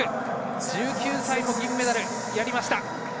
１９歳、銀メダル、やりました。